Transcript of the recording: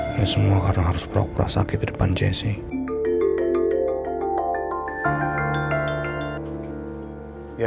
ini semua karena harus prok prasakit di depan jessica